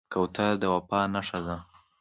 کوتره د وفا نښه ده.